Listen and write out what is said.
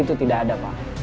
itu tidak ada pak